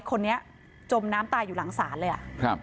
คนนี้จมน้ำตายอยู่หลังศาลเลย